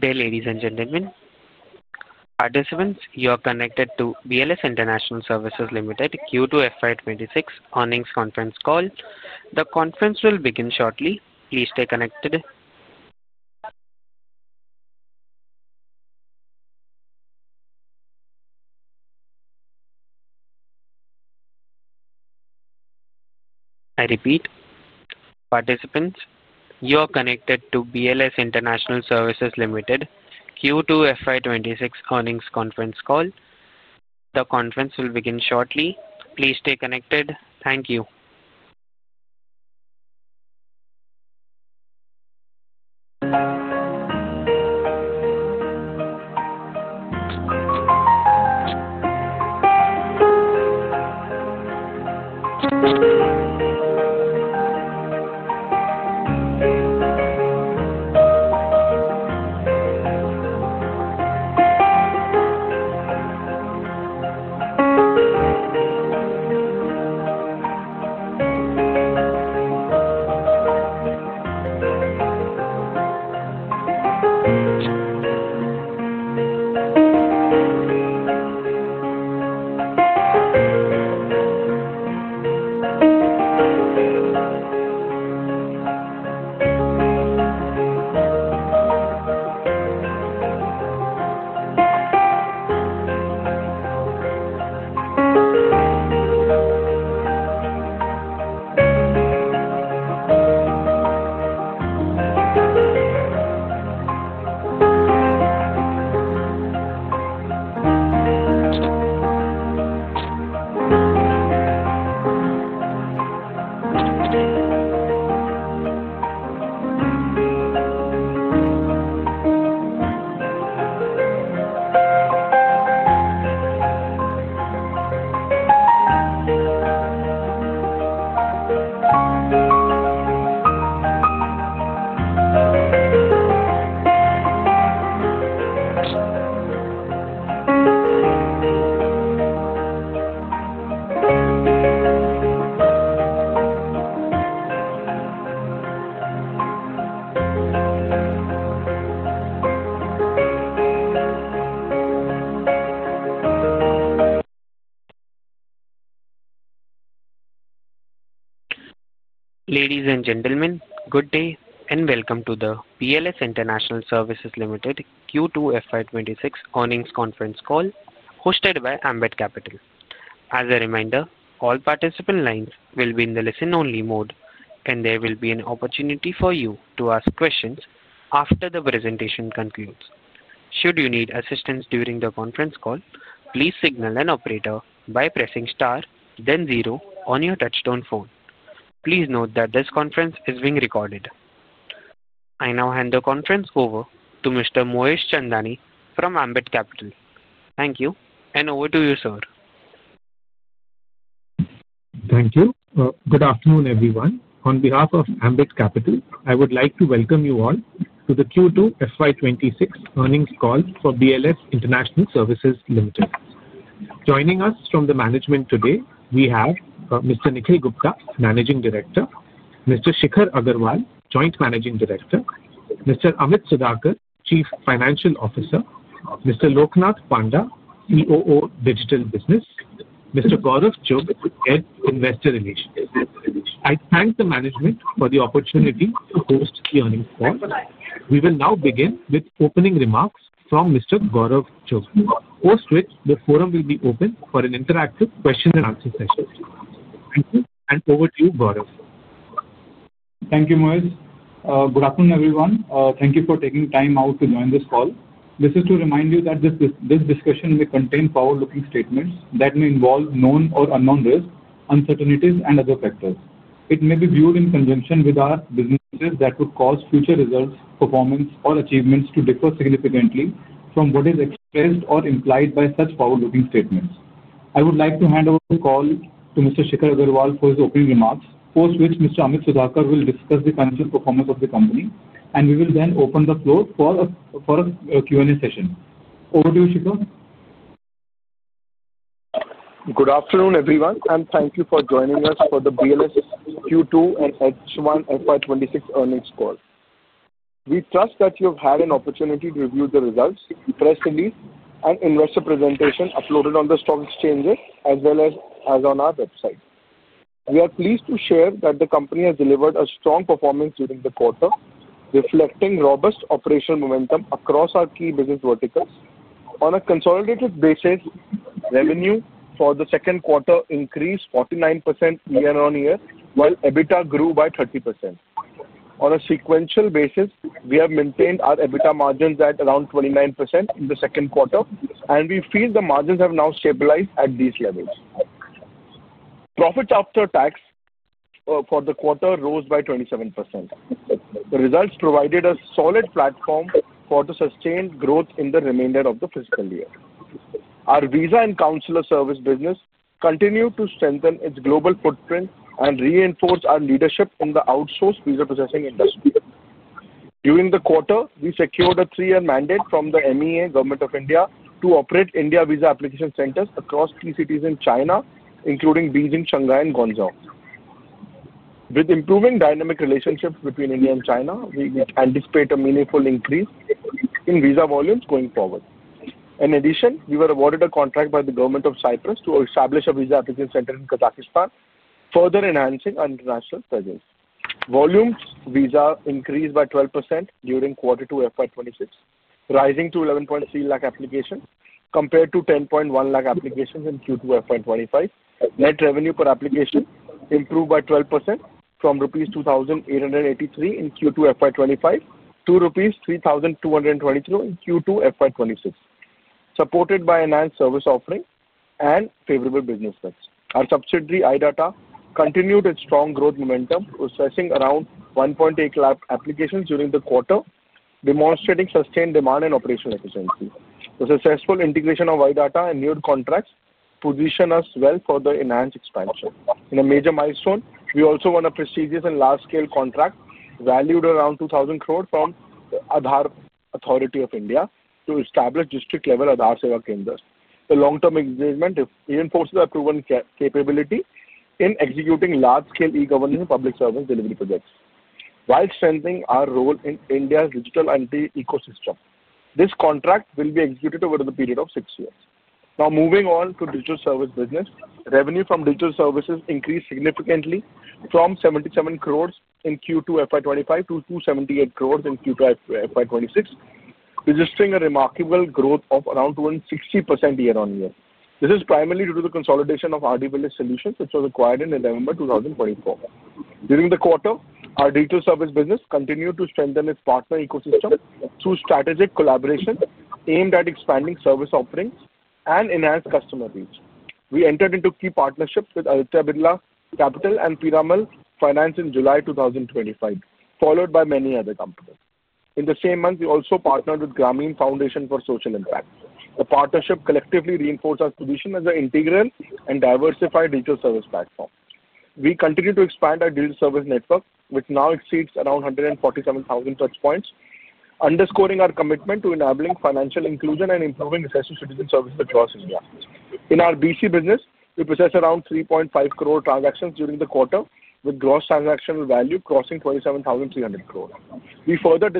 Good day, ladies and gentlemen. Participants, you are connected to BLS International Services Limited, Q2 FY2026 earnings conference call. The conference will begin shortly. Please stay connected. I repeat, participants, you are connected to BLS International Services Limited, Q2 FY2026 earnings conference call. The conference will begin shortly. Please stay connected. Thank you. Ladies and gentlemen, good day and welcome to the BLS International Services Limited Q2 FY2026 earnings conference call hosted by Ambit Capital. As a reminder, all participant lines will be in the listen-only mode, and there will be an opportunity for you to ask questions after the presentation concludes. Should you need assistance during the conference call, please signal an operator by pressing star, then zero on your touch-tone phone. Please note that this conference is being recorded. I now hand the conference over to Mr. Moez Chandani from Ambit Capital. Thank you, and over to you, sir. Thank you. Good afternoon, everyone. On behalf of Ambit Capital, I would like to welcome you all to the Q2FY2026 earnings call for BLS International Services Limited. Joining us from the management today, we have Mr. Nikhil Gupta, Managing Director; Mr. Shikhar Agarwal, Joint Managing Director; Mr. Amit Sudhakar, Chief Financial Officer; Mr. Loknath Panda, COO, Digital Business; Mr. Gaurav Chugh, Head Investor Relations. I thank the management for the opportunity to host the earnings call. We will now begin with opening remarks from Mr. Gaurav Chugh, post which the forum will be open for an interactive question-and-answer session. Thank you, and over to you, Gaurav. Thank you, Moez. Good afternoon, everyone. Thank you for taking time out to join this call. This is to remind you that this discussion may contain forward-looking statements that may involve known or unknown risk, uncertainties, and other factors. It may be viewed in conjunction with our businesses that would cause future results, performance, or achievements to differ significantly from what is expressed or implied by such forward-looking statements. I would like to hand over the call to Mr. Shikhar Agarwal for his opening remarks, post which Mr. Amit Sudhakar will discuss the financial performance of the company, and we will then open the floor for a Q&A session. Over to you, Shikhar. Good afternoon, everyone, and thank you for joining us for the BLS Q2 and H1 FY2026 earnings call. We trust that you have had an opportunity to review the results, press release, and investor presentation uploaded on the stock exchanges as well as on our website. We are pleased to share that the company has delivered a strong performance during the quarter, reflecting robust operational momentum across our key business verticals. On a consolidated basis, revenue for the second quarter increased 49% year-on-year, while EBITDA grew by 30%. On a sequential basis, we have maintained our EBITDA margins at around 29% in the second quarter, and we feel the margins have now stabilized at these levels. Profits after tax for the quarter rose by 27%. The results provided a solid platform for the sustained growth in the remainder of the fiscal year. Our visa and consular service business continued to strengthen its global footprint and reinforce our leadership in the outsourced visa processing industry. During the quarter, we secured a three-year mandate from the MEA, Government of India, to operate India visa application centers across key cities in China, including Beijing, Shanghai, and Guangzhou. With improving dynamic relationships between India and China, we anticipate a meaningful increase in visa volumes going forward. In addition, we were awarded a contract by the Government of Cyprus to establish a visa application center in Kazakhstan, further enhancing our international presence. Visa application volumes increased by 12% during Q2 FY2026, rising to 1.13 million applications compared to 1.01 million applications in Q2 FY2025. Net revenue per application improved by 12% from rupees 2,883 in Q2 FY2025 to rupees 3,223 in Q2 FY2026, supported by enhanced service offering and favorable business rates. Our subsidiary iData continued its strong growth momentum, assessing around 180,000 applications during the quarter, demonstrating sustained demand and operational efficiency. The successful integration of iData and new contracts positioned us well for the enhanced expansion. In a major milestone, we also won a prestigious and large-scale contract valued around 2,000 crore from the Aadhaar Authority of India to establish district-level Aadhaar Seva Kendras. The long-term engagement reinforces our proven capability in executing large-scale e-governance and public service delivery projects, while strengthening our role in India's digital anti-ecosystem. This contract will be executed over the period of six years. Now, moving on to digital service business, revenue from digital services increased significantly from 77 crore in Q2 FY2025 to 278 crore in Q2 FY2026, registering a remarkable growth of around 60% year-on-year. This is primarily due to the consolidation of RDFS, which was acquired in November 2024. During the quarter, our digital service business continued to strengthen its partner ecosystem through strategic collaboration aimed at expanding service offerings and enhanced customer reach. We entered into key partnerships with Aditya Birla Capital and Piramal Finance in July 2025, followed by many other companies. In the same month, we also partnered with Grameen Foundation for Social Impact. The partnership collectively reinforced our position as an integral and diversified digital service platform. We continue to expand our digital service network, which now exceeds around 147,000 touchpoints, underscoring our commitment to enabling financial inclusion and improving access to citizen services across India. In our BC business, we possess around 3.5 crore transactions during the quarter, with gross transactional value crossing 27,300 crore. We further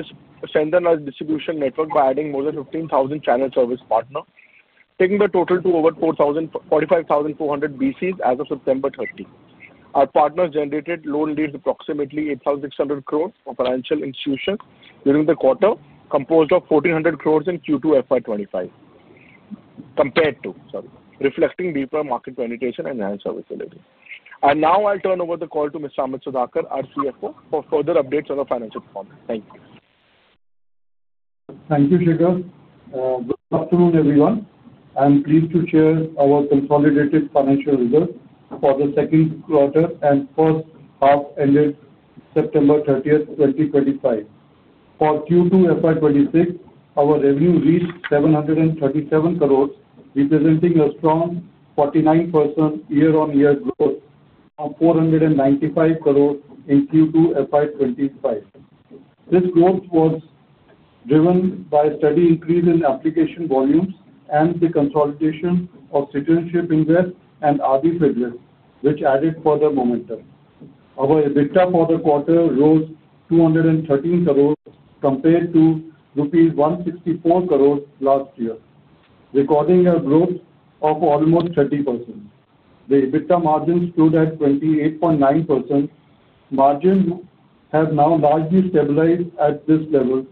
strengthened our distribution network by adding more than 15,000 channel service partners, taking the total to over 45,400 BCs as of September 30. Our partners generated loan leads approximately 8,600 crore for financial institutions during the quarter, composed of 1,400 crore in Q2 FY2025, reflecting deeper market penetration and enhanced service delivery. I will now turn over the call to Mr. Amit Sudhakar, our CFO, for further updates on our financial performance. Thank you. Thank you, Shikhar. Good afternoon, everyone. I'm pleased to share our consolidated financial results for the second quarter and first half ended September 30th, 2025. For Q2 FY2026, our revenue reached 737 crore, representing a strong 49% year-on-year growth from 495 crore in Q2 FY2025. This growth was driven by a steady increase in application volumes and the consolidation of Citizenship by Investment and RDFS, which added further momentum. Our EBITDA for the quarter rose to 213 crore compared to rupees 164 crore last year, recording a growth of almost 30%. The EBITDA margin stood at 28.9%. Margins have now largely stabilized at this level,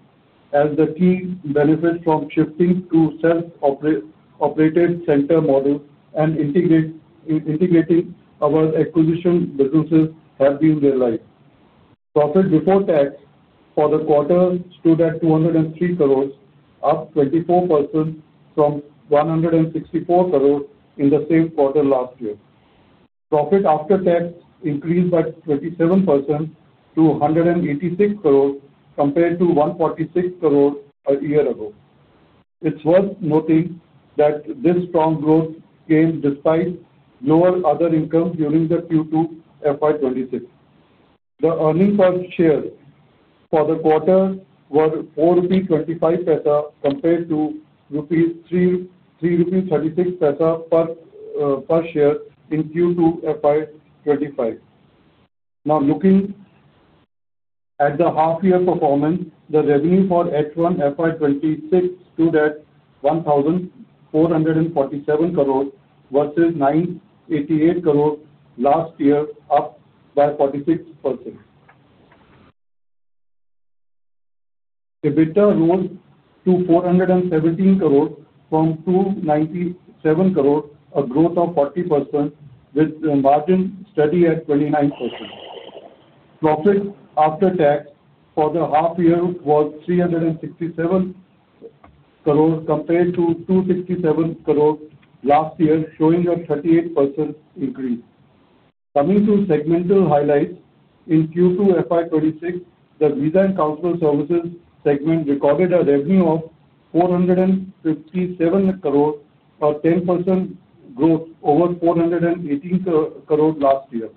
as the key benefits from shifting to self-operated center models and integrating our acquisition businesses have been realized. Profit before tax for the quarter stood at 203 crore, up 24% from 164 crore in the same quarter last year. Profit after tax increased by 27% to 186 crore compared to 146 crore a year ago. It's worth noting that this strong growth came despite lower other income during the Q2 FY2026. The earnings per share for the quarter were 4.25 rupees compared to 3.36 rupees per share in Q2 FY2025. Now, looking at the half-year performance, the revenue for H1 FY2026 stood at 1,447 crore versus 988 crore last year, up by 46%. EBITDA rose to 417 crore from 297 crore, a growth of 40%, with the margin steady at 29%. Profit after tax for the half-year was 367 crore compared to 267 crore last year, showing a 38% increase. Coming to segmental highlights, in Q2 FY2026, the visa and consular services segment recorded a revenue of 457 crore, a 10% growth over 418 crore last year.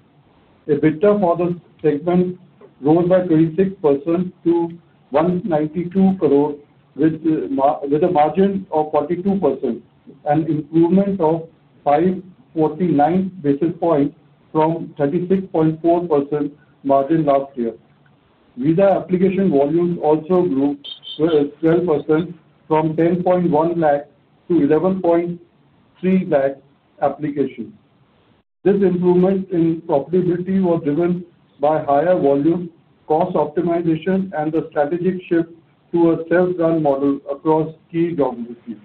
EBITDA for the segment rose by 26% to 192 crore, with a margin of 42% and improvement of 549 basis points from 36.4% margin last year. Visa application volumes also grew 12% from 10.1 lakh-11.3 lakh applications. This improvement in profitability was driven by higher volume, cost optimization, and the strategic shift to a self-run model across key geographies.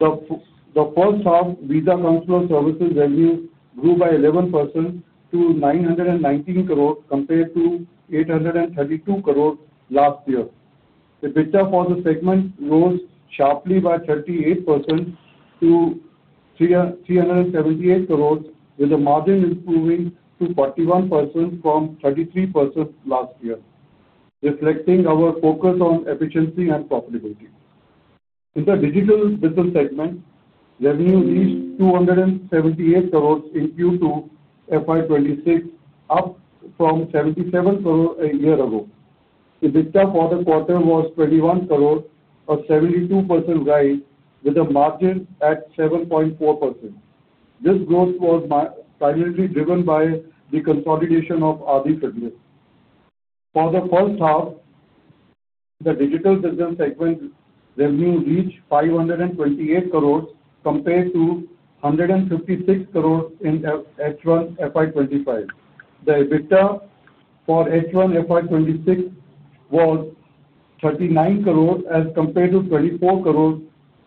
The first-half visa counselor services revenue grew by 11% to 919 crore compared to 832 crore last year. EBITDA for the segment rose sharply by 38% to 378 crore, with the margin improving to 41% from 33% last year, reflecting our focus on efficiency and profitability. In the digital business segment, revenue reached 278 crore in Q2 FY2026, up from 77 crore a year ago. EBITDA for the quarter was 21 crore, a 72% rise, with a margin at 7.4%. This growth was primarily driven by the consolidation of RDFS. For the first half, the digital business segment revenue reached 528 crore compared to 156 crore in H1 FY2025. The EBITDA for H1 FY2026 was 39 crore as compared to 24 crore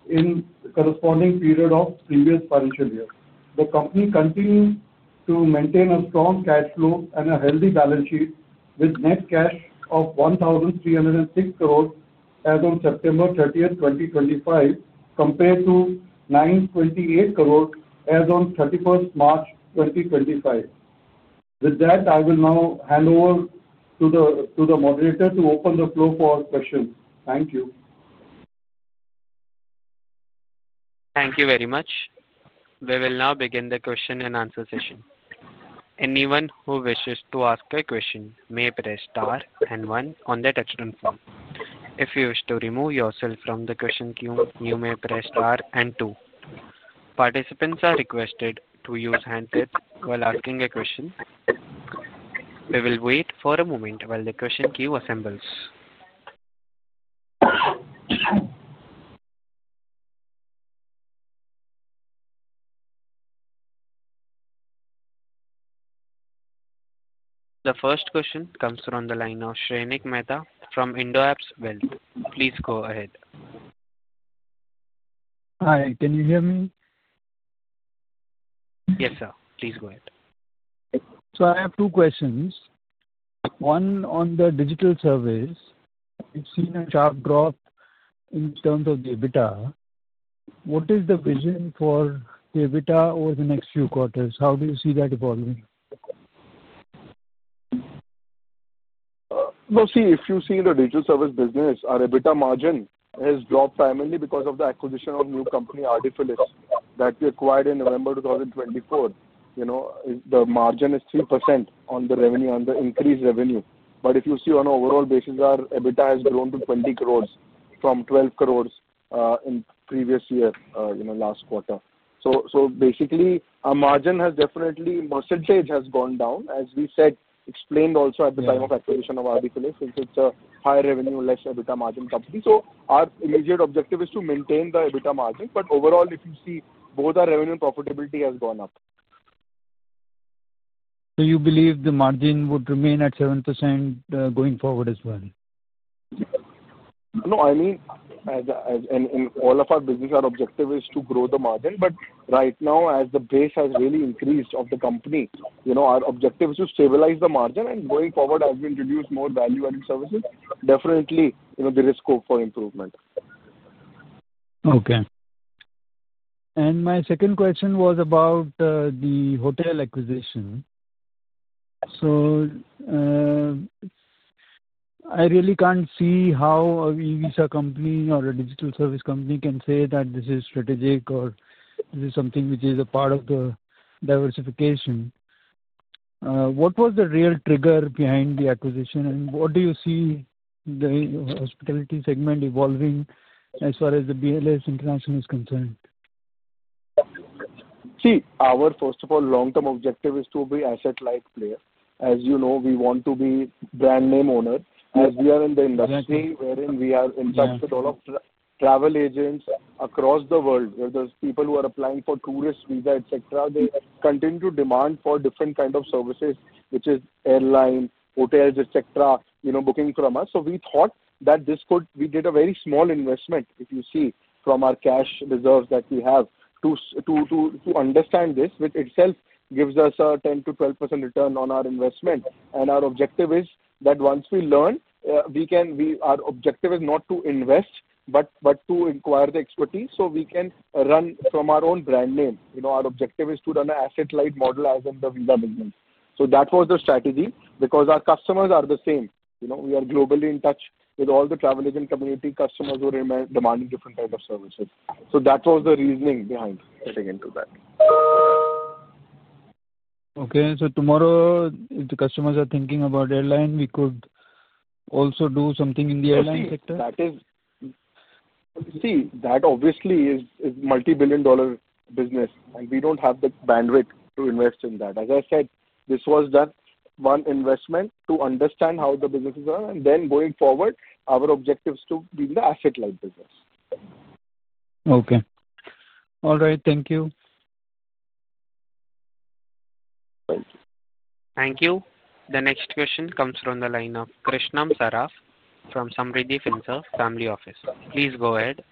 in the corresponding period of previous financial year. The company continued to maintain a strong cash flow and a healthy balance sheet, with net cash of 1,306 crore as of September 30, 2025, compared to 928 crore as of March 31st, 2025. With that, I will now hand over to the moderator to open the floor for questions. Thank you. Thank you very much. We will now begin the question and answer session. Anyone who wishes to ask a question may press star and one on the touch-tone form. If you wish to remove yourself from the question queue, you may press star and two. Participants are requested to use handpads while asking a question. We will wait for a moment while the question queue assembles. The first question comes from the line of Sainik Mehta from IndoAppSec. Please go ahead. Hi, can you hear me? Yes, sir. Please go ahead. I have two questions. One on the digital service. We have seen a sharp drop in terms of the EBITDA. What is the vision for the EBITDA over the next few quarters? How do you see that evolving? If you see the digital service business, our EBITDA margin has dropped primarily because of the acquisition of new company RDFS that we acquired in November 2024. The margin is 3% on the revenue, on the increased revenue. If you see on an overall basis, our EBITDA has grown to 20 crore from 12 crore in the previous year, last quarter. Basically, our margin percentage has gone down, as we said, explained also at the time of acquisition of RDFS, since it is a high-revenue, less EBITDA margin company. Our immediate objective is to maintain the EBITDA margin. Overall, if you see, both our revenue and profitability has gone up. You believe the margin would remain at 7% going forward as well? No, I mean, in all of our business, our objective is to grow the margin. Right now, as the base has really increased of the company, our objective is to stabilize the margin. Going forward, as we introduce more value-added services, definitely there is scope for improvement. Okay. My second question was about the hotel acquisition. I really can't see how a visa company or a digital service company can say that this is strategic or this is something which is a part of the diversification. What was the real trigger behind the acquisition, and what do you see the hospitality segment evolving as far as the BLS International is concerned? See, our, first of all, long-term objective is to be an asset-like player. As you know, we want to be a brand-name owner. As we are in the industry wherein we are in touch with all of travel agents across the world, where there are people who are applying for tourist visa, etc., they continue to demand for different kinds of services, which is airline, hotels, etc., booking from us. We thought that this could—we did a very small investment, if you see, from our cash reserves that we have to understand this, which itself gives us a 10%-12% return on our investment. Our objective is that once we learn, we can—our objective is not to invest, but to acquire the expertise so we can run from our own brand name. Our objective is to run an asset-like model as in the visa business. That was the strategy because our customers are the same. We are globally in touch with all the travel agent community customers who are demanding different kinds of services. That was the reasoning behind getting into that. Okay. So tomorrow, if the customers are thinking about airline, we could also do something in the airline sector? See, that obviously is a multi-billion-dollar business, and we do not have the bandwidth to invest in that. As I said, this was one investment to understand how the businesses are, and then going forward, our objective is to be in the asset-like business. Okay. All right. Thank you. Thank you. Thank you. The next question comes from the line of Krishnam Saraf from Samriddhi Finserve Family Office. Please go ahead.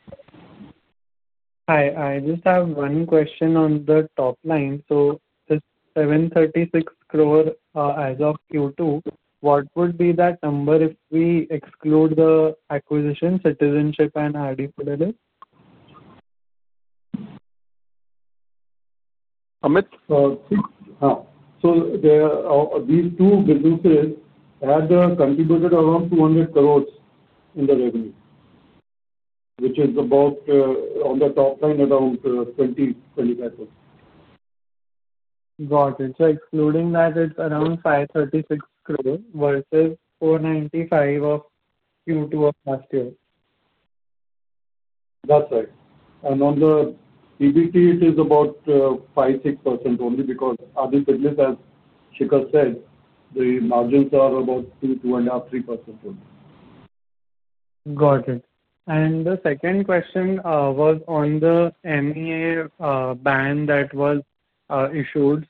Hi. I just have one question on the top line. So this 736 crore as of Q2, what would be that number if we exclude the acquisition, Citizenship by Investment, and RDFS? Amit, so these two businesses had contributed around 200 crore in the revenue, which is about on the top line, around 20-25 crore. Got it. So excluding that, it's around 536 crore versus 495 crore of Q2 of last year. That's right. On the EBITDA, it is about 5%-6% only because other businesses, as Shikhar said, the margins are about 2%-2.5%-3% only. Got it. The second question was on the MEA ban that was issued.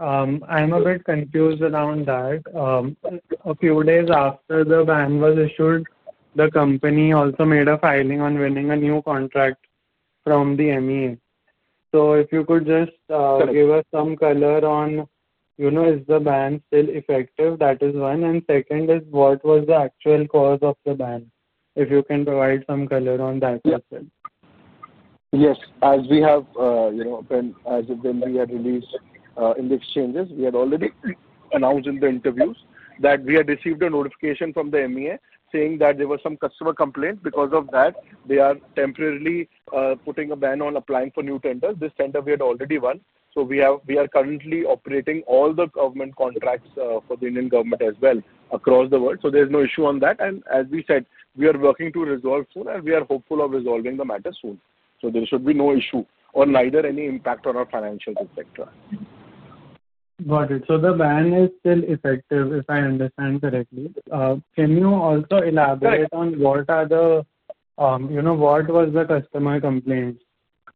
I'm a bit confused around that. A few days after the ban was issued, the company also made a filing on winning a new contract from the MEA. If you could just give us some color on, is the ban still effective? That is one. Second is, what was the actual cause of the ban? If you can provide some color on that, that's it. Yes. As we have been—as when we had released in the exchanges, we had already announced in the interviews that we had received a notification from the MEA saying that there were some customer complaints. Because of that, they are temporarily putting a ban on applying for new tenders. This tender we had already won. We are currently operating all the government contracts for the Indian government as well across the world. There is no issue on that. As we said, we are working to resolve soon, and we are hopeful of resolving the matter soon. There should be no issue or any impact on our financials, etc. Got it. The ban is still effective, if I understand correctly. Can you also elaborate on what are the—what was the customer complaints?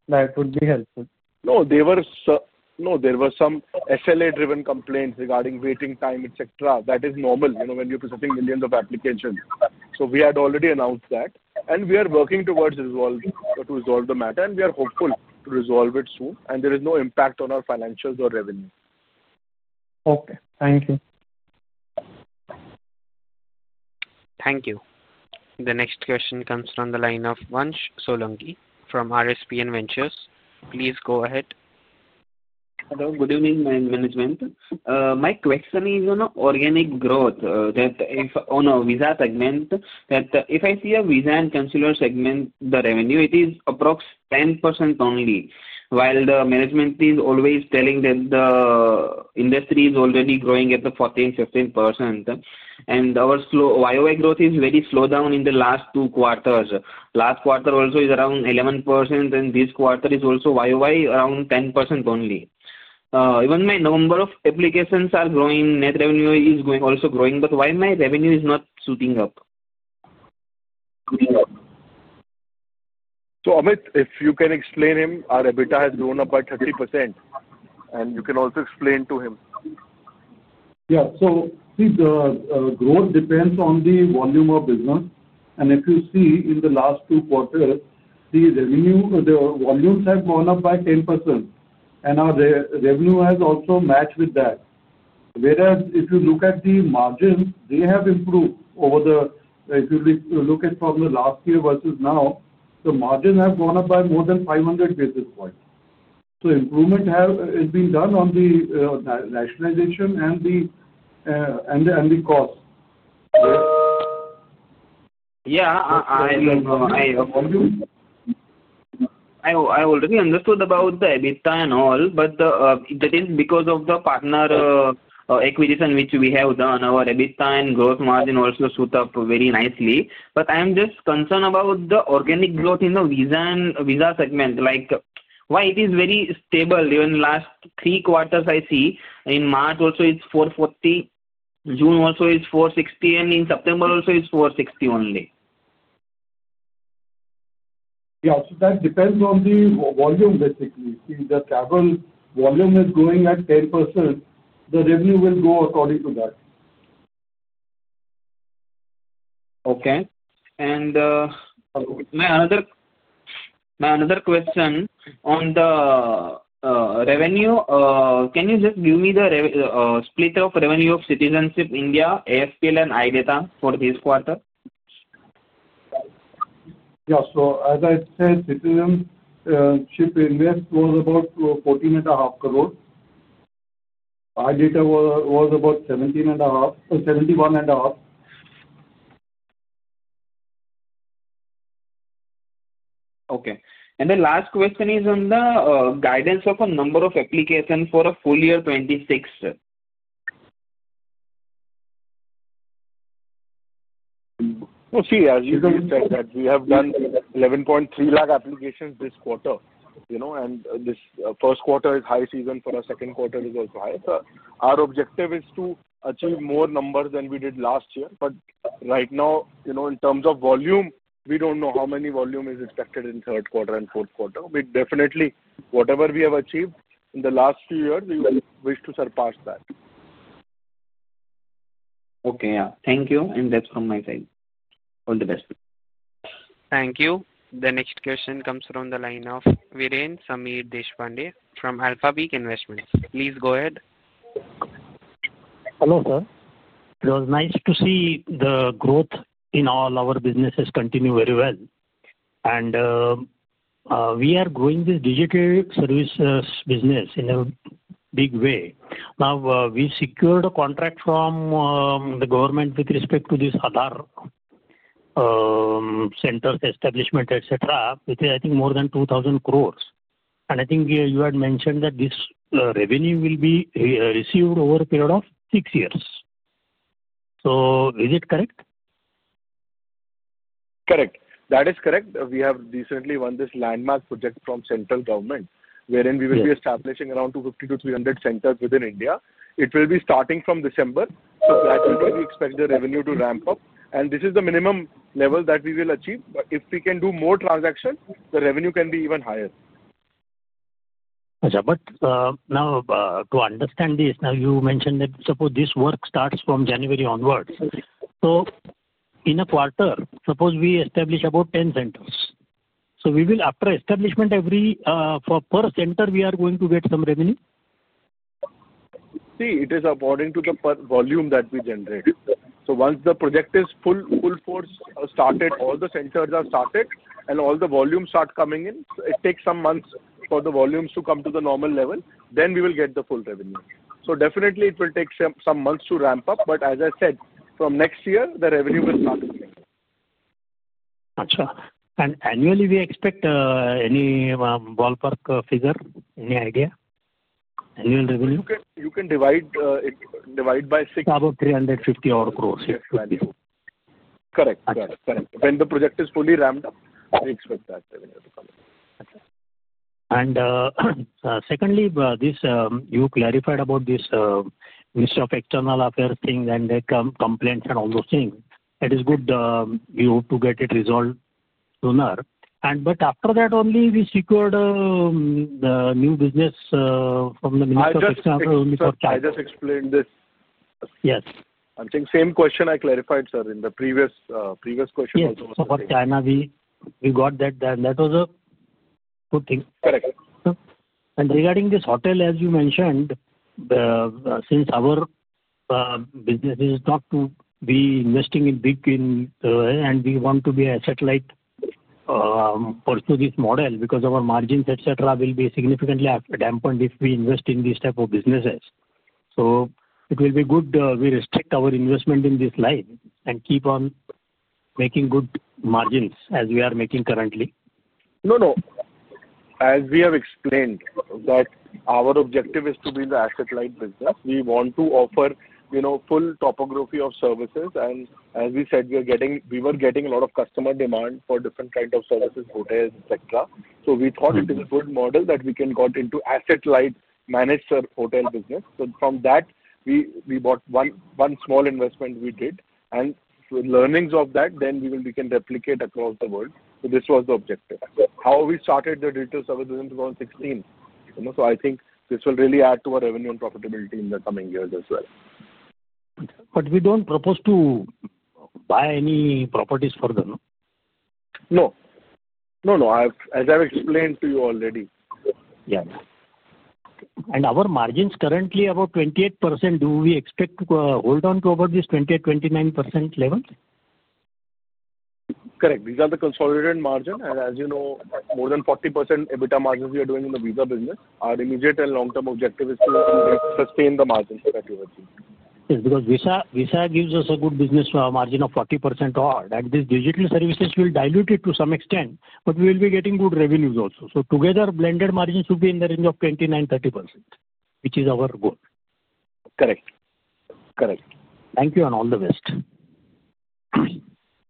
That would be helpful. No, there were some SLA-driven complaints regarding waiting time, etc. That is normal when you're presenting millions of applications. We had already announced that. We are working to resolve the matter. We are hopeful to resolve it soon. There is no impact on our financials or revenue. Okay. Thank you. Thank you. The next question comes from the line of Vansh Solanki from RSPN Ventures. Please go ahead. Hello. Good evening, Management. My question is on organic growth on a visa segment. If I see a visa and consular segment, the revenue, it is approximately 10% only, while the management is always telling that the industry is already growing at the 14%-15%. And our Y-o-Y growth is very slowed down in the last two quarters. Last quarter also is around 11%, and this quarter is also Y-o-Y around 10% only. Even my number of applications are growing. Net revenue is also growing. Why my revenue is not shooting up? Amit, if you can explain to him, our EBITDA has grown up by 30%. You can also explain to him. Yeah. So see, the growth depends on the volume of business. And if you see, in the last two quarters, the revenue, the volumes have grown up by 10%. And our revenue has also matched with that. Whereas if you look at the margins, they have improved over the—if you look at from the last year versus now, the margins have grown up by more than 500 basis points. So improvement has been done on the rationalization and the cost. Yeah. I already understood about the EBITDA and all, but that is because of the partner acquisition which we have done. Our EBITDA and gross margin also suit up very nicely. I am just concerned about the organic growth in the visa segment. Why is it very stable? Even last three quarters, I see, in March also, it is 440. June also is 460. And in September also, it is 460 only. Yeah. That depends on the volume, basically. See, the travel volume is growing at 10%. The revenue will go according to that. Okay. My other question on the revenue, can you just give me the split of revenue of Citizenship by Investment, AFPL, and iData for this quarter? Yeah. As I said, Citizenship by Investment was about 14.5 crore. iData was about INR 17.5 crore-INR 71.5 crore. Okay. The last question is on the guidance of a number of applications for a full year 2026. As you said, we have done 1.13 million applications this quarter. This first quarter is high season for us. Second quarter is also high. Our objective is to achieve more numbers than we did last year. Right now, in terms of volume, we do not know how much volume is expected in the third quarter and fourth quarter. Definitely, whatever we have achieved in the last few years, we wish to surpass that. Okay. Yeah. Thank you. That's from my side. All the best. Thank you. The next question comes from the line of Viren Sameer Deshpande from Alphapeak Investments. Please go ahead. Hello, sir. It was nice to see the growth in all our businesses continue very well. We are growing this digital services business in a big way. We secured a contract from the government with respect to this Aadhaar center establishment, etc., which is, I think, more than 2,000 crore. I think you had mentioned that this revenue will be received over a period of six years. Is it correct? Correct. That is correct. We have recently won this landmark project from central government, wherein we will be establishing around 250-300 centers within India. It will be starting from December. Gradually, we expect the revenue to ramp up. This is the minimum level that we will achieve. If we can do more transactions, the revenue can be even higher. Ajay, now to understand this, now you mentioned that, suppose this work starts from January onwards. In a quarter, suppose we establish about 10 centers. After establishment, for per center, we are going to get some revenue? See, it is according to the volume that we generate. Once the project is full force started, all the centers are started, and all the volumes start coming in, it takes some months for the volumes to come to the normal level. Then we will get the full revenue. It will take some months to ramp up. As I said, from next year, the revenue will start coming. Ajay. Annually, we expect any ballpark figure? Any idea? Annual revenue? You can divide by six. About 350 crore. Correct. When the project is fully ramped up, we expect that revenue to come. Secondly, you clarified about this Ministry of External Affairs thing and the complaints and all those things. It is good you hope to get it resolved sooner. After that, only we secured the new business from the Ministry of External Affairs. I just explained this. Yes. I think same question I clarified, sir, in the previous question also. For China, we got that. That was a good thing. Correct. Regarding this hotel, as you mentioned, since our business is not to be investing in big, and we want to be a satellite, pursue this model because our margins, etc., will be significantly dampened if we invest in these types of businesses. It will be good we restrict our investment in this line and keep on making good margins as we are making currently. No, no. As we have explained, our objective is to be the asset-light business. We want to offer full topography of services. As we said, we were getting a lot of customer demand for different kinds of services, hotels, etc. We thought it is a good model that we can get into asset-light managed hotel business. From that, we bought one small investment we did. With learnings of that, then we can replicate across the world. This was the objective. How we started the digital services in 2016. I think this will really add to our revenue and profitability in the coming years as well. We don't propose to buy any properties for them, no? No, no. As I've explained to you already. Yeah. Our margins currently are about 28%. Do we expect to hold on to about this 28%-29% level? Correct. These are the consolidated margins. As you know, more than 40% EBITDA margins we are doing in the visa business. Our immediate and long-term objective is to sustain the margins that we have achieved. Yes. Because visa gives us a good business margin of 40% or. And these digital services will dilute it to some extent. But we will be getting good revenues also. Together, blended margins should be in the range of 29%-30%, which is our goal. Correct. Correct. Thank you and all the best.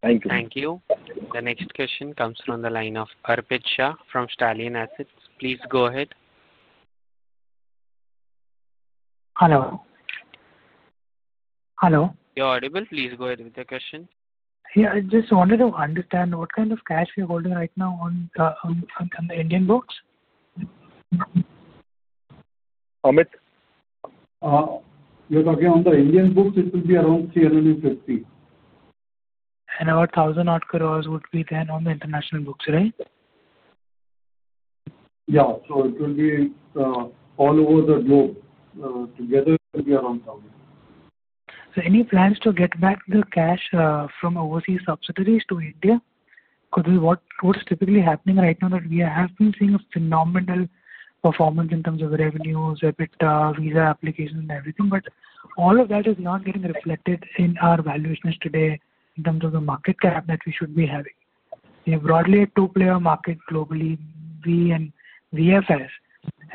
Thank you. Thank you. The next question comes from the line of Arpit Shah from Stallion Assets. Please go ahead. Hello. Hello. You're audible. Please go ahead with your question. Yeah. I just wanted to understand what kind of cash we're holding right now on the Indian books? Amit? You're talking on the Indian books, it will be around 350. About 1,000 crore would be then on the international books, right? Yeah. It will be all over the globe. Together, it will be around INR 1,000. Any plans to get back the cash from overseas subsidiaries to India? Because what's typically happening right now is that we have been seeing a phenomenal performance in terms of the revenues, EBITDA, visa applications, and everything. All of that is not getting reflected in our valuations today in terms of the market cap that we should be having. We are broadly a two-player market globally, BLS and VFS.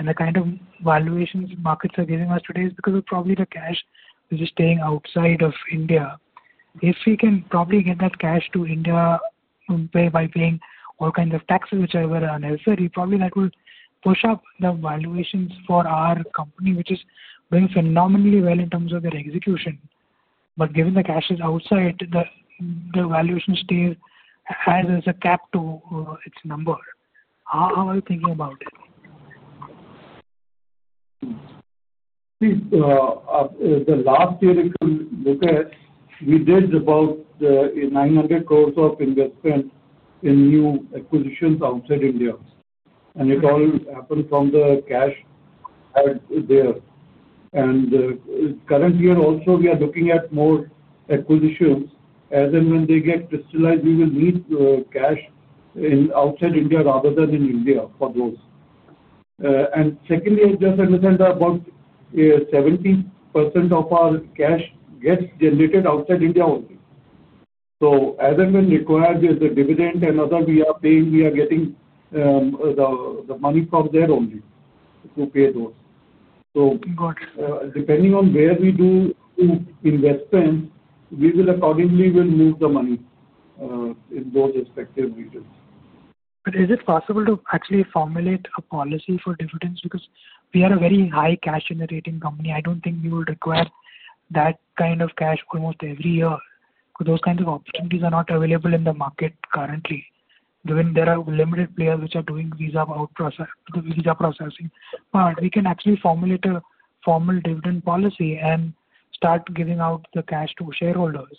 The kind of valuations markets are giving us today is because of probably the cash which is staying outside of India. If we can probably get that cash to India by paying all kinds of taxes, whichever are necessary, that will probably push up the valuations for our company, which is doing phenomenally well in terms of their execution. Given the cash is outside, the valuation stays as a cap to its number. How are you thinking about it? See, the last year if you look at, we did about 900 crore of investment in new acquisitions outside India. It all happened from the cash there. Current year also, we are looking at more acquisitions. As and when they get crystallized, we will need cash outside India rather than in India for those. Secondly, I just understand about 70% of our cash gets generated outside India only. As and when required, there is a dividend and other we are paying, we are getting the money from there only to pay those. Depending on where we do investments, we will accordingly move the money in those respective regions. Is it possible to actually formulate a policy for dividends? Because we are a very high cash-generating company. I do not think we will require that kind of cash almost every year. Those kinds of opportunities are not available in the market currently. There are limited players which are doing visa processing. We can actually formulate a formal dividend policy and start giving out the cash to shareholders.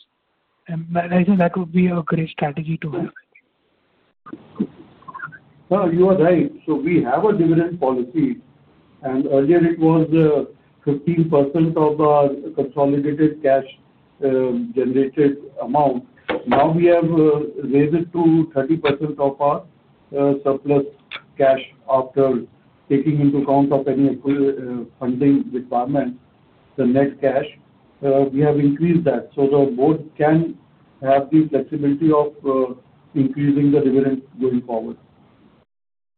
I think that would be a great strategy to have. You are right. We have a dividend policy. Earlier, it was 15% of our consolidated cash-generated amount. Now we have raised it to 30% of our surplus cash after taking into account any funding requirements, the net cash. We have increased that. The board can have the flexibility of increasing the dividend going forward.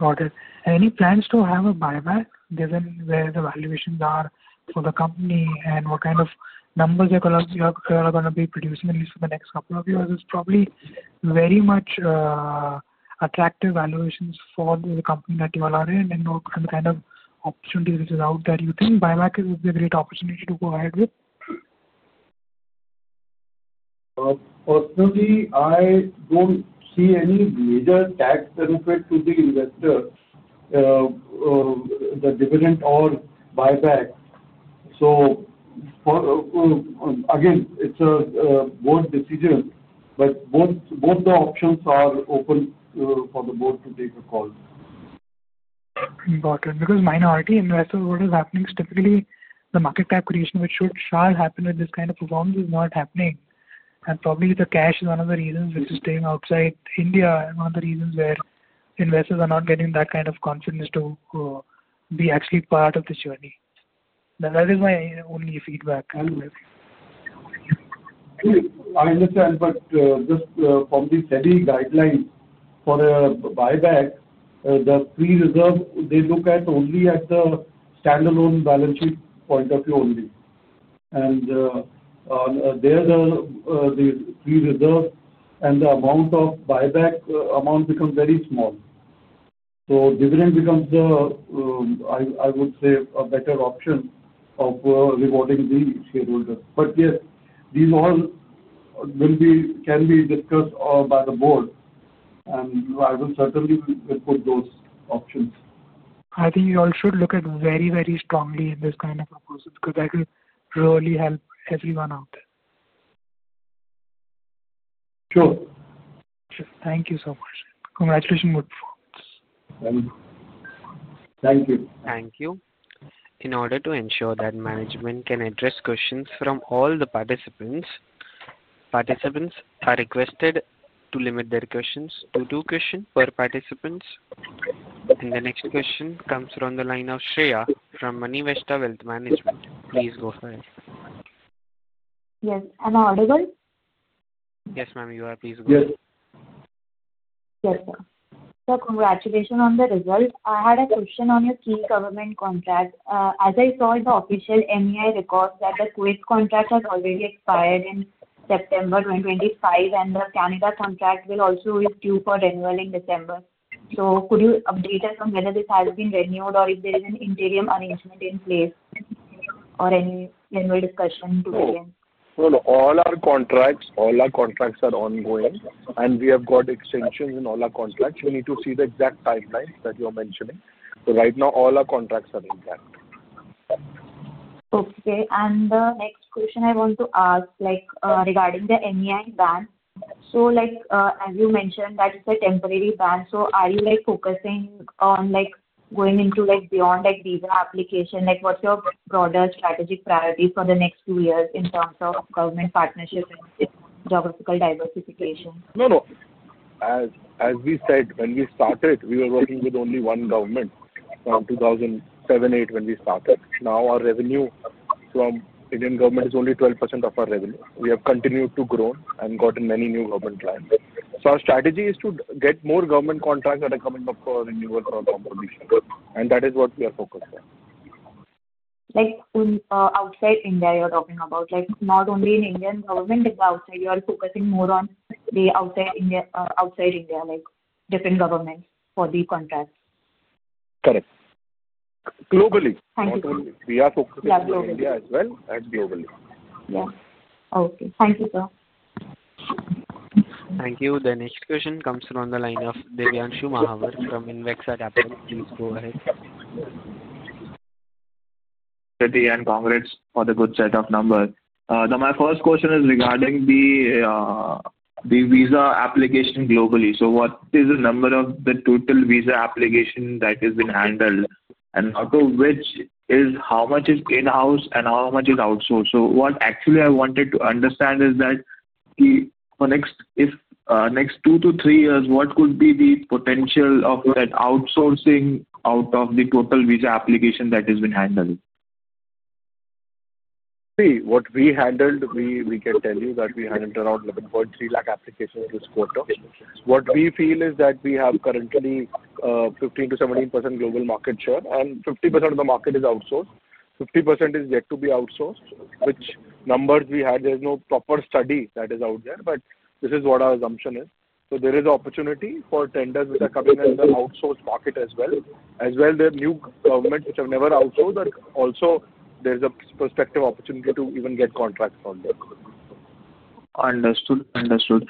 Got it. Any plans to have a buyback given where the valuations are for the company and what kind of numbers you are going to be producing at least for the next couple of years? It's probably very much attractive valuations for the company that you all are in and the kind of opportunities which is out there. Do you think buyback is a great opportunity to go ahead with? Personally, I don't see any major tax benefit to the investor, the dividend or buyback. Again, it's a board decision. Both the options are open for the board to take a call. Got it. Because minority investors, what is happening is typically the market cap creation, which should shall happen with this kind of performance, is not happening. Probably the cash is one of the reasons which is staying outside India and one of the reasons where investors are not getting that kind of confidence to be actually part of this journey. That is my only feedback. I understand. Just from the steady guidelines for a buyback, the free reserve, they look at only at the standalone balance sheet point of view only. There is the free reserve, and the amount of buyback amount becomes very small. Dividend becomes, I would say, a better option of rewarding the shareholders. Yes, these all can be discussed by the board. I will certainly put those options. I think you all should look at very, very strongly in this kind of a process because that will really help everyone out there. Sure. Sure. Thank you so much. Congratulations on good performance. Thank you. Thank you. Thank you. In order to ensure that management can address questions from all the participants, participants are requested to limit their questions to two questions per participant. The next question comes from the line of Shreya from Moneyvesta Wealth Management. Please go ahead. Yes. Am I audible? Yes, ma'am, you are. Please go ahead. Yes. Yes, sir. Congratulations on the result. I had a question on your key government contract. As I saw in the official MEA records, the Kuwait contract has already expired in September 2025, and the Canada contract will also be due for renewal in December. Could you update us on whether this has been renewed or if there is an interim arrangement in place or any renewal discussion to begin? All our contracts are ongoing, and we have got extensions in all our contracts. We need to see the exact timelines that you are mentioning. Right now, all our contracts are intact. Okay. The next question I want to ask is regarding the MEA ban. As you mentioned, that is a temporary ban. Are you focusing on going beyond visa application? What is your broader strategic priority for the next few years in terms of government partnership and geographical diversification? No, no. As we said, when we started, we were working with only one government from 2007, 2008 when we started. Now our revenue from Indian government is only 12% of our revenue. We have continued to grow and gotten many new government clients. Our strategy is to get more government contracts that are coming up for renewal for our competition. That is what we are focused on. Outside India, you're talking about not only in Indian government, but outside. You are focusing more on the outside India, different governments for the contracts. Correct. Globally. Thank you. We are focusing on India as well and globally. Yeah. Okay. Thank you, sir. Thank you. The next question comes from the line of Divyanshu Mahawar from Invexa Capital. Please go ahead. Pretty and congrats for the good set of numbers. My first question is regarding the visa application globally. What is the number of the total visa application that has been handled and out of which is how much is in-house and how much is outsourced? What I wanted to understand is that for the next two to three years, what could be the potential of that outsourcing out of the total visa application that has been handled? See, what we handled, we can tell you that we handled around 1.13 million applications this quarter. What we feel is that we have currently 15%-17% global market share, and 50% of the market is outsourced. 50% is yet to be outsourced, which numbers we had, there is no proper study that is out there, but this is what our assumption is. There is opportunity for tenders which are coming in the outsourced market as well. As well, there are new governments which have never outsourced, but also there is a prospective opportunity to even get contracts from them. Understood. Understood.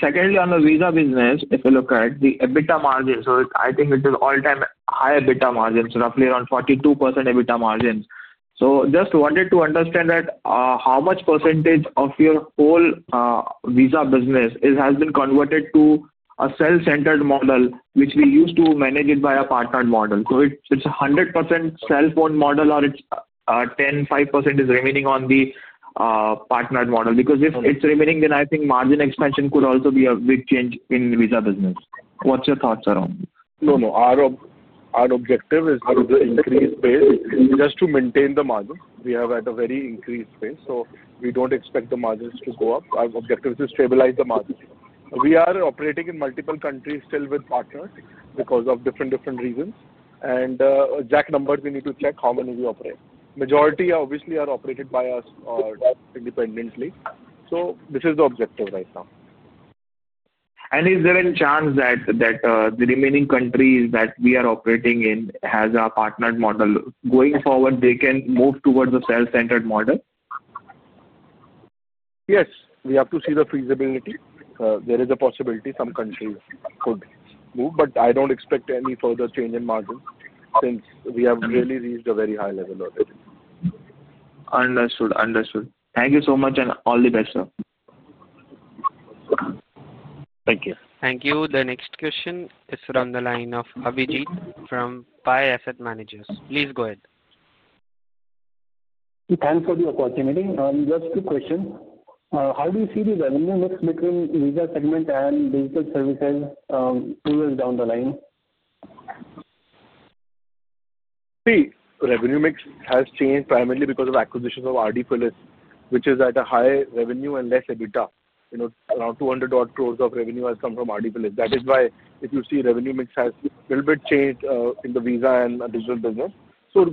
Secondly, on the visa business, if you look at the EBITDA margin, I think it is all-time high EBITDA margins, roughly around 42% EBITDA margins. I just wanted to understand how much percentage of your whole visa business has been converted to a self-centered model, which we used to manage by a partnered model. Is it 100% self-owned model or 10%, 5% is remaining on the partnered model? Because if it is remaining, then I think margin expansion could also be a big change in visa business. What are your thoughts around that? No, no. Our objective is to increase pace just to maintain the margins. We have had a very increased pace. We do not expect the margins to go up. Our objective is to stabilize the margins. We are operating in multiple countries still with partners because of different reasons. Exact numbers, we need to check how many we operate. Majority obviously are operated by us independently. This is the objective right now. Is there a chance that the remaining countries that we are operating in have a partnered model? Going forward, they can move towards a self-centered model? Yes. We have to see the feasibility. There is a possibility some countries could move, but I do not expect any further change in margins since we have really reached a very high level already. Understood. Understood. Thank you so much and all the best, sir. Thank you. Thank you. The next question is from the line of Abhijit from Pye Asset Managers. Please go ahead. Thanks for the opportunity. Just two questions. How do you see the revenue mix between visa segment and digital services two years down the line? See, revenue mix has changed primarily because of acquisitions of RDFS, which is at a high revenue and less EBITDA. Around 200 crore of revenue has come from RDFS. That is why if you see revenue mix has a little bit changed in the visa and digital business.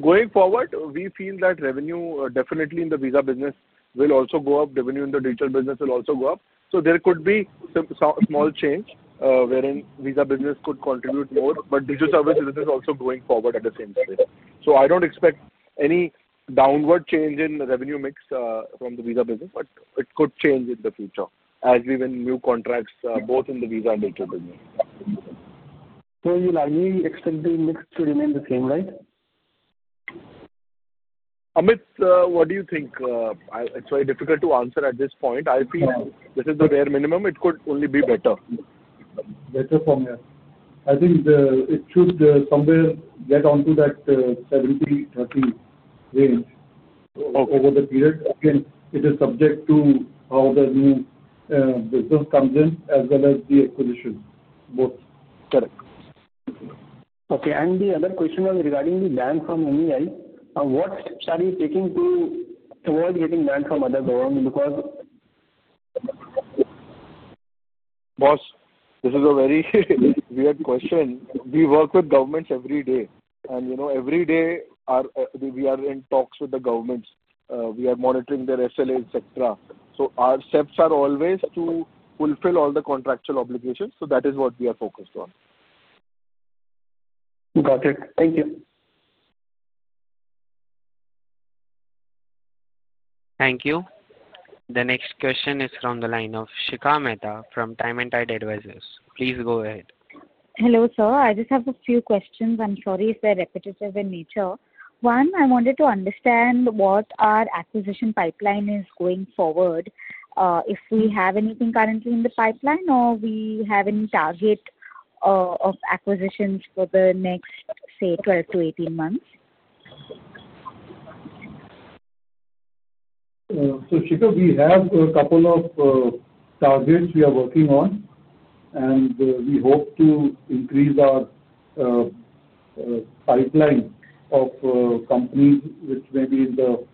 Going forward, we feel that revenue definitely in the visa business will also go up. Revenue in the digital business will also go up. There could be some small change wherein visa business could contribute more, but digital service business is also going forward at the same speed. I do not expect any downward change in revenue mix from the visa business, but it could change in the future as we win new contracts both in the visa and digital business. You'll likely expect the mix to remain the same, right? Amit, what do you think? It's very difficult to answer at this point. I feel this is the bare minimum. It could only be better. Better from here. I think it should somewhere get onto that 70-30 range over the period. Again, it is subject to how the new business comes in as well as the acquisition, both. Correct. Okay. The other question was regarding the ban from MEA. What are you taking to avoid getting banned from other governments because? Boss, this is a very weird question. We work with governments every day. Every day, we are in talks with the governments. We are monitoring their SLA, etc. Our steps are always to fulfill all the contractual obligations. That is what we are focused on. Got it. Thank you. Thank you. The next question is from the line of Shikha Mehta from Time & Tide Advisors. Please go ahead. Hello, sir. I just have a few questions. I'm sorry if they're repetitive in nature. One, I wanted to understand what our acquisition pipeline is going forward. If we have anything currently in the pipeline or we have any target of acquisitions for the next, say, 12-18 months? Shikha, we have a couple of targets we are working on, and we hope to increase our pipeline of companies which may be in the,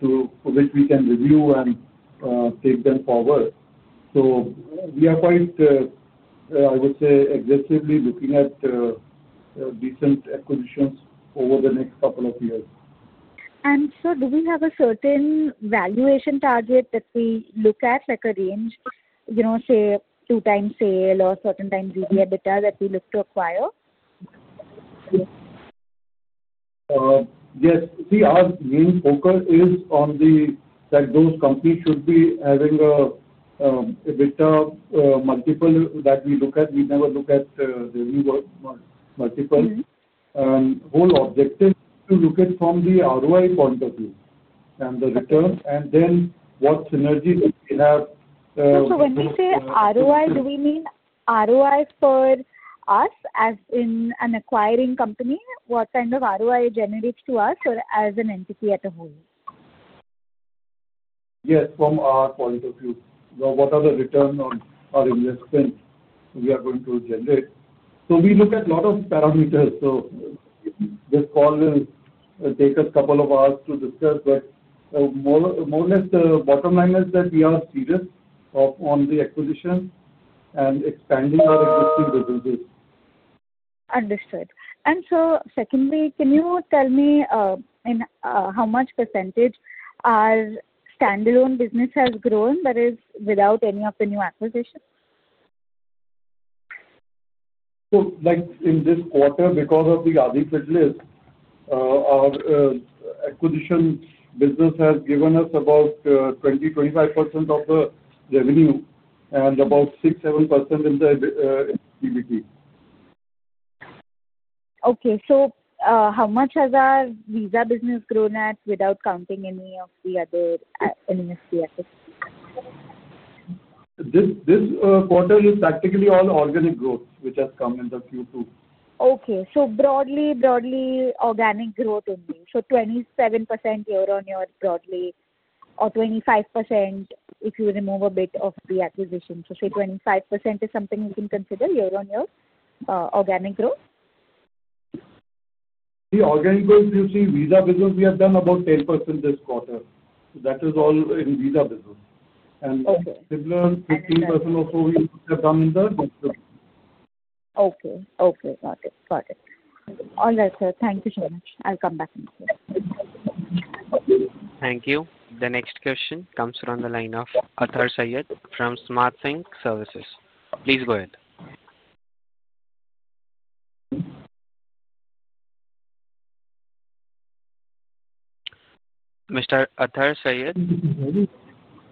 to which we can review and take them forward. We are quite, I would say, aggressively looking at recent acquisitions over the next couple of years. Sir, do we have a certain valuation target that we look at, like a range, say, two-time sale or certain times EBITDA that we look to acquire? Yes. See, our main focus is on that those companies should be having an EBITDA multiple that we look at. We never look at revenue multiple. The whole objective is to look at from the ROI point of view and the return and then what synergy we have. When you say ROI, do we mean ROI for us as in an acquiring company? What kind of ROI it generates to us or as an entity as a whole? Yes, from our point of view. What are the return on our investment we are going to generate? We look at a lot of parameters. This call will take us a couple of hours to discuss, but more or less, the bottom line is that we are serious on the acquisition and expanding our existing businesses. Understood. Sir, secondly, can you tell me how much percentage our standalone business has grown, that is, without any of the new acquisitions? In this quarter, because of the RDFS, our acquisition business has given us about 20%-25% of the revenue and about 6%-7% in the EBITDA. Okay. So how much has our visa business grown at without counting any of the other MESC assets? This quarter is practically all organic growth which has come in the Q2. Okay. So broadly, broadly organic growth only. So 27% year-on-year broadly or 25% if you remove a bit of the acquisition. So say 25% is something we can consider year-on-year organic growth? See, organic growth, you see, visa business, we have done about 10% this quarter. That is all in visa business. And similar, 15% or so we have done in the digital business. Okay. Okay. Got it. Got it. All right, sir. Thank you so much. I'll come back next time. Thank you. The next question comes from the line of Athar Syed from Smart Sync Services. Please go ahead. Mr. Athar Syed,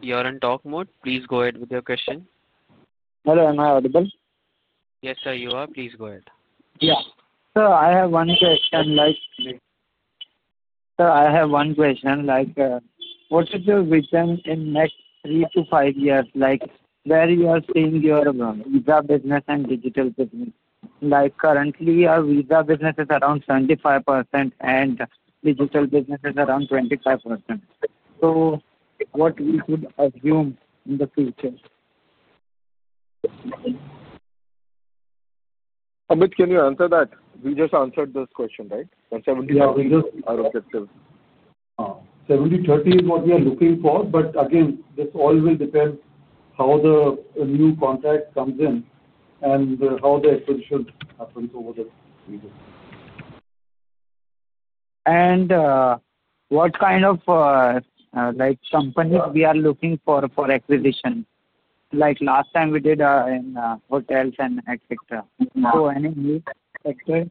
you are on talk mode. Please go ahead with your question. Hello. Am I audible? Yes, sir, you are. Please go ahead. Yeah. Sir, I have one question. What is your vision in the next three to five years? Where are you seeing your visa business and digital business? Currently, our visa business is around 75% and digital business is around 25%. What could we assume in the future? Amit, can you answer that? We just answered this question, right? 70% is our objective. 70-30 is what we are looking for, but again, this all will depend on how the new contract comes in and how the acquisition happens over the future. What kind of companies are we looking for for acquisition? Last time we did in hotels and etc. Any new sector?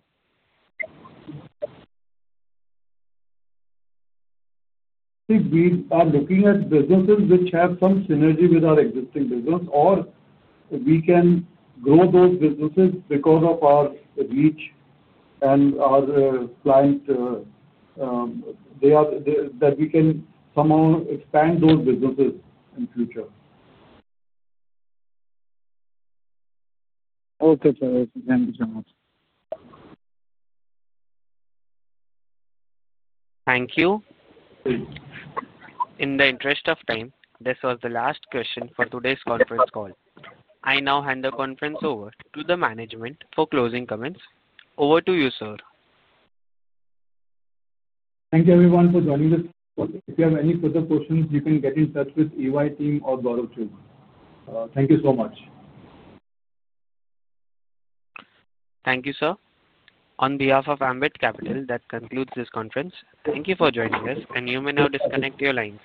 See, we are looking at businesses which have some synergy with our existing business, or we can grow those businesses because of our reach and our clients that we can somehow expand those businesses in the future. Okay, sir. Thank you so much. Thank you. In the interest of time, this was the last question for today's conference call. I now hand the conference over to the management for closing comments. Over to you, sir. Thank you, everyone, for joining this call. If you have any further questions, you can get in touch with EY team or Gaurav Chugh. Thank you so much. Thank you, sir. On behalf of Ambit Capital, that concludes this conference. Thank you for joining us, and you may now disconnect your lines.